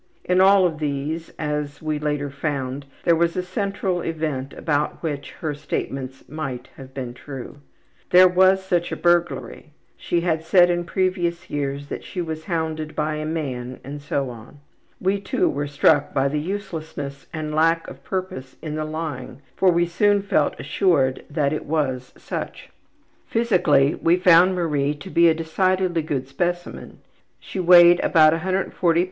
In all of these, as we later found, there was a central event about which her statements MIGHT have been true. There was such a burglary; she had said in previous years that she was hounded by a man, and so on. We, too, were struck by the uselessness and lack of purpose in the lying for we soon felt assured that it was such. Physically we found Marie to be a decidedly good specimen. She weighed about 140 lbs.